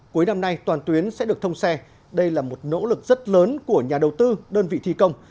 cuối năm nay toàn tuyến sẽ được thông xe đây là một nỗ lực rất lớn của nhà đầu tư đơn vị thi công